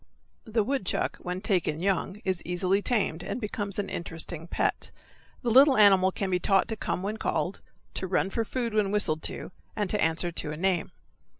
The woodchuck, when taken young, is easily tamed, and becomes an interesting pet. The little animal can be taught to come when called, to run for food when whistled to, and to answer to a name.